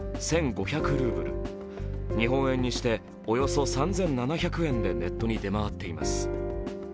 ルーブル、日本円にしておよそ３７００円でネットに出回っています。